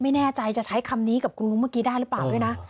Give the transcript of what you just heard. ไม่แน่ใจจะใช้คำนี้กับคุณลุงเมื่อกี้ได้หรือเปล่าด้วยนะ